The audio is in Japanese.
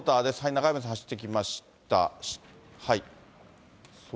中山さん、走ってきました。